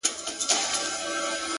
لوبي وې؛